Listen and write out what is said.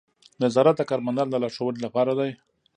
نظارت د کارمندانو د لارښوونې لپاره دی.